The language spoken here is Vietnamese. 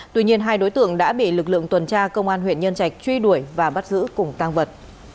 tuy nhiên hai đối tượng đã bị lực lượng tuần tra công an huyện nhân trạch truy đuổi và bắt giữ cùng tăng vật